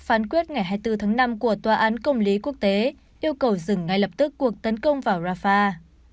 phát ngải hai mươi bốn tháng năm của tòa án công lý quốc tế yêu cầu dừng ngay lập tức cuộc tấn công vào rafah